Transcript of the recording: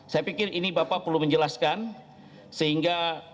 saya pikir ini bapak perlu menjelaskan sehingga